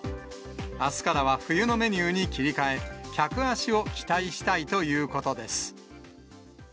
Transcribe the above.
あすからは冬のメニューに切り替え、客足を期待したいということです。